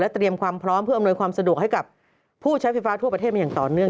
เตรียมความพร้อมเพื่ออำนวยความสะดวกให้กับผู้ใช้ไฟฟ้าทั่วประเทศมาอย่างต่อเนื่อง